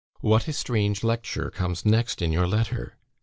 ... "What a strange lecture comes next in your letter!